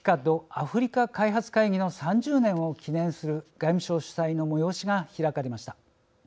アフリカ開発会議の３０年を記念する外務省主催の催しが開かれました。